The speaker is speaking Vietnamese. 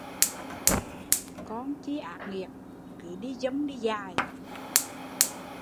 Con chi ác nghiệt, cứ đi dông đi dài